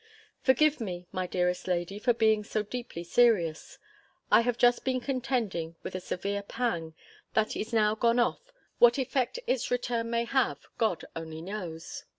Forgive me, my dearest lady, for being so deeply serious. I have just been contending with a severe pang, that is now gone off; what effect its return may have, God only knows.